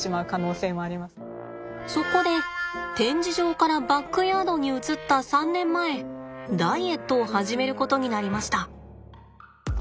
そこで展示場からバックヤードに移った３年前ダイエットを始めることになりました。